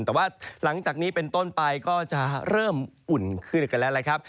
แต่ว่าหลังจากนี้เป็นต้นไปก็จะเริ่มอุ่นขึ้นกันแล้วนะครับ